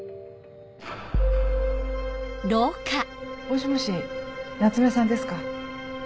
もしもし夏目さんですか？